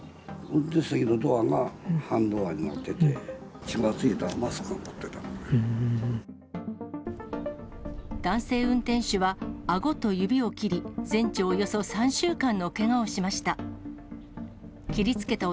運転席のドアが半ドアになってて、男性運転手はあごと指を切り、全治およそ３週間のけがをしました。